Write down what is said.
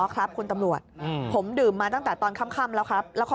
ครับคุณตำรวจผมดื่มมาตั้งแต่ตอนค่ำแล้วครับแล้วขอ